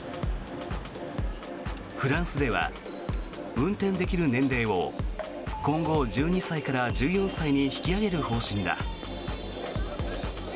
フランスでは運転できる年齢を今後、１２歳から１４歳に引き上げる方針だ。